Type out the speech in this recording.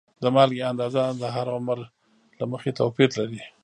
د مالګې اندازه د هر عمر له مخې توپیر لري.